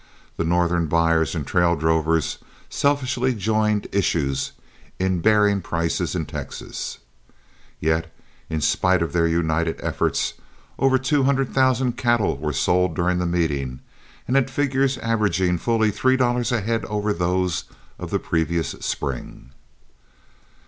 The Northern buyers and trail drovers selfishly joined issues in bearing prices in Texas; yet, in spite of their united efforts, over two hundred thousand cattle were sold during the meeting, and at figures averaging fully three dollars a head over those of the previous spring.